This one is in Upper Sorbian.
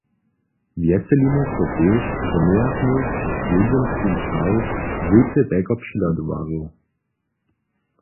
Wjeselimy so tež, zo mějachmy při swjedźenskim ćahu dwójce telko přihladowarjow.